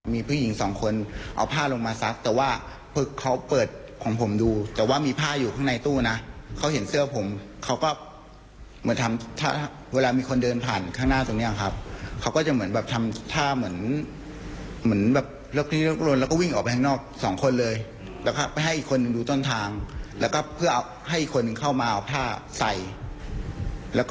มีผู้หญิงสองคนเอาผ้าลงมาซักแต่ว่าเขาเปิดของผมดูแต่ว่ามีผ้าอยู่ข้างในตู้นะเขาเห็นเสื้อผมเขาก็เหมือนทำถ้าเวลามีคนเดินผ่านข้างหน้าตรงเนี้ยครับเขาก็จะเหมือนแบบทำท่าเหมือนเหมือนแบบเลิกลนแล้วก็วิ่งออกไปข้างนอกสองคนเลยแล้วก็ไปให้อีกคนหนึ่งดูต้นทางแล้วก็เพื่อเอาให้อีกคนนึงเข้ามาเอาผ้าใส่แล้วก็